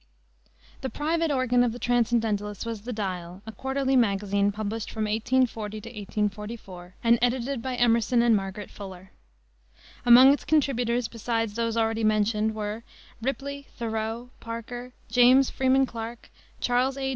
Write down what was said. The private organ of the transcendentalists was the Dial, a quarterly magazine, published from 1840 to 1844, and edited by Emerson and Margaret Fuller. Among its contributors, besides those already mentioned, were Ripley, Thoreau, Parker, James Freeman Clarke, Charles A.